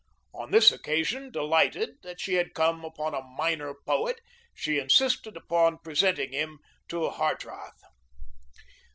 On this occasion, delighted that she had come upon a "minor poet," she insisted upon presenting him to Hartrath.